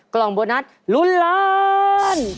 กล่องโบนัสลุ้นล้าน